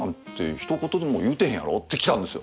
一言でも言うてへんやろってきたんですよ。